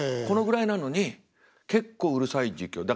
このぐらいなのに結構うるさい実況。